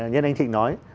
như anh thịnh nói